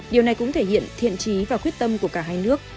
điều này cũng thể hiện thiện trí và quyết tâm của cả hai nước